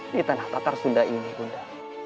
di tanah tatar sunda ini bunda